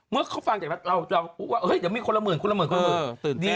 เมื่อเขาฟังจากภักดิ์เราจองว่าเฮ้ยจะมีคนละหมื่นคนละหมื่นคนละหมื่น